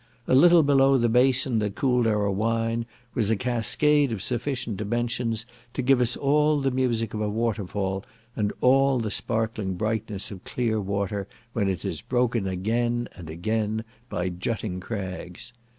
A little below the basin that cooled our wine was a cascade of sufficient dimensions to give us all the music of a waterfall, and all the sparkling brightness of clear water when it is broken again and again by jutting crags.